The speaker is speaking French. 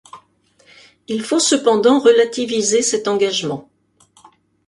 Il faut cependant relativiser cet engagement.